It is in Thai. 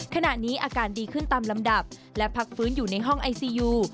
ขณะนี้อาการดีขึ้นตามลำดับและพักฟื้นอยู่ในห้องไอซียู